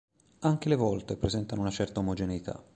Anche le volte presentano una certa omogeneità.